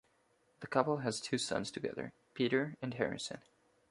The couple has two sons together: Peter and Harrison.